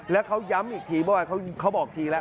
แล้วเขาย้ำอีกทีเมื่อวานเขาบอกทีแล้ว